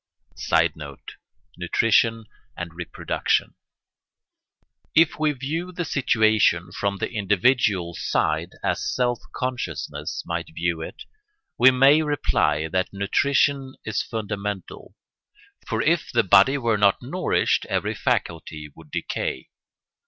[Sidenote: Nutrition and reproduction] If we view the situation from the individual's side, as self consciousness might view it, we may reply that nutrition is fundamental, for if the body were not nourished every faculty would decay.